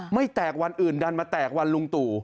ไม่แตกวันอื่นดันมาแตกวันลุงตู่